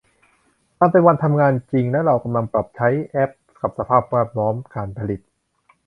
มันเป็นวันทำงานจริงและเรากำลังปรับใช้แอพกับสภาพแวดล้อมการผลิต